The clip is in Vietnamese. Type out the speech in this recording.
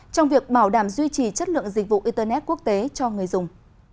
trong việc bảo đảm duy trì chất lượng dịch vụ internet quốc tế cho người dùng